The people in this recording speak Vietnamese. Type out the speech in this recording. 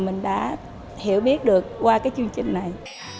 mình đã hiểu biết được qua cái chương trình này